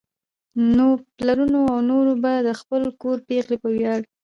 نو پلرونو او نورو به د خپل کور پېغلې په وياړ